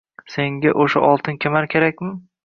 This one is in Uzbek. Senga oʻsha oltin kamar kerakmi?